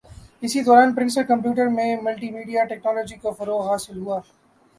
اسی دوران personal computers میں ملٹی میڈیا ٹیکنولوجی کو فروغ حاصل ہوا